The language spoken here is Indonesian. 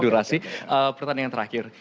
durasi pertandingan terakhir